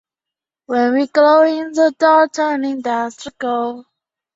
锥唇吻沙蚕为吻沙蚕科吻沙蚕属的动物。